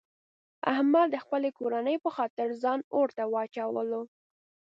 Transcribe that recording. احمد د خپلې کورنۍ په خاطر ځان اورته واچولو.